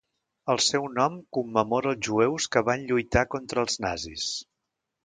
El seu nom commemora als jueus que van lluitar contra els nazis.